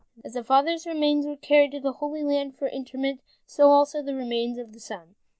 As the father's remains were carried to the Holy Land for interment, so also the remains of the son.